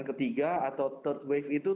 ketiga atau third wave itu